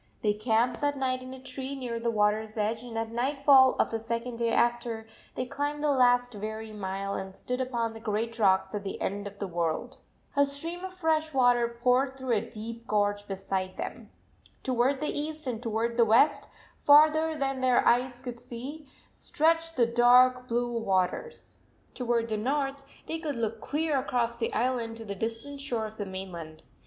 They camped that night in a tree, near the water s edge, and, at night fall of the second day after, they climbed the last weary mile and stood upon the great rocks at the end of the world. A stream of fresh water poured through a deep gorge beside them. Toward the east and toward the west, farther than their eyes could see, stretched the dark blue waters. Toward the north they could look clear across the island to the distant shore of the mainland.